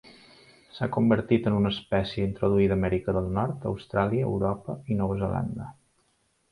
S'ha convertit en una espècie introduïda a Amèrica del Nord, Austràlia, Europa i Nova Zelanda.